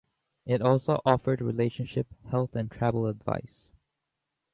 It also offered relationship, health and travel advice.